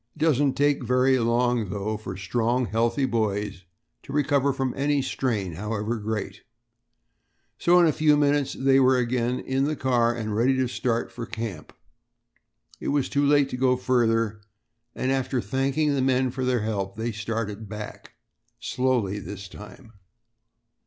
It doesn't take very long, though, for strong, healthy boys to recover from any strain, however great; so in a few minutes they were again in the car and ready to start for camp. It was too late to go further, and after thanking the men for their help they started back slowly this time.